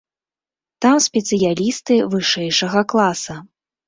Там спецыялісты вышэйшага класа.